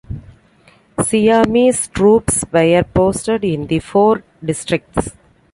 Siamese troops were posted in the four districts.